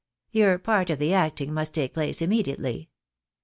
Your part of the acting must take place immediately.